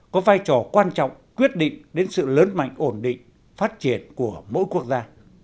có vai trò quan trọng quyết định đến sự lớn mạnh ổn định phát triển của mỗi quốc gia